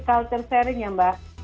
culture sharing ya mbak